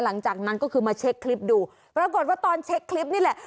หลังจากนั้นก็คือมาเช็คคลิปดูปรากฏว่าตอนเช็คคลิปนี่แหละ